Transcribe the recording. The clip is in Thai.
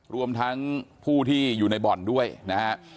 รวมทั้งผู้ที่อยู่ในบ่อนด้วยนะฮะ